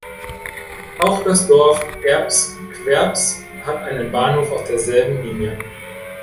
Auch das Dorf Erps-Kwerps hat einen Bahnhof auf derselben Linie.